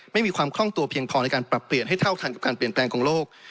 ไม่มีความคล่องตัวเพียงพอในการปรับเปลี่ยนให้เท่าทันกับการเปลี่ยนแปลงของโลก